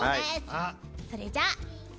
それじゃあ。